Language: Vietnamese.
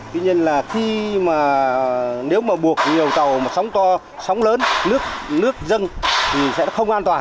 tuy nhiên là nếu mà buộc nhiều tàu mà sóng to sóng lớn nước dâng thì sẽ không an toàn